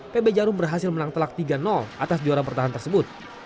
pb jarum berhasil menang telak tiga atas juara pertahanan tersebut